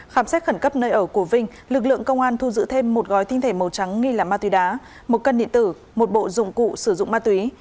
khám xét khẩn cấp nơi ở của vinh lực lượng công an thu giữ thêm một gói tinh thể màu trắng nghi là ma túy đá một cân điện tử một bộ dụng cụ sử dụng ma túy